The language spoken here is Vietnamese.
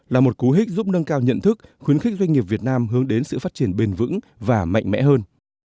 là một cú hích giúp nâng cao nhận thức khuyến khích doanh nghiệp việt nam hướng đến sự phát triển bền vững và mạnh mẽ hơn